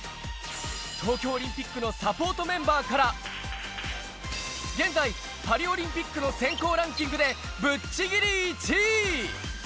東京オリンピックのサポートメンバーから、現在、パリオリンピックの選考ランキングでぶっちぎり１位。